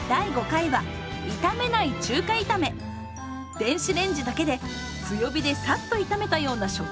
電子レンジだけで強火でさっと炒めたような食感に！